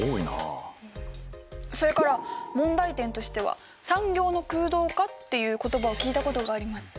それから問題点としては産業の空洞化っていう言葉を聞いたことがあります。